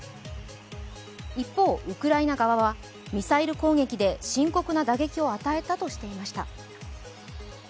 一方、ウクライナ側はミサイル攻撃で深刻な打撃を与えたとしていました。